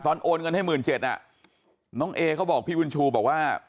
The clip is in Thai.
โอนเงินให้หมื่นเจ็ดอ่ะน้องเอเขาบอกพี่บุญชูบอกว่า